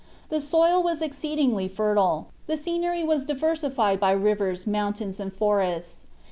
The soil was exceedingly fertile; the scenery was diversified by rivers, mountains, and forests.